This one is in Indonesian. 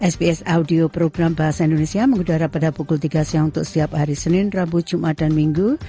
sps audio program bahasa indonesia mengudara pada pukul tiga siang untuk setiap hari senin rabu jumat dan minggu